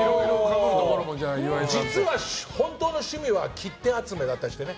実は本当の趣味は切手集めだったりしてね。